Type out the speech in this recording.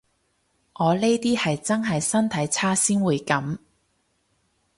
我呢啲係真係身體差先會噉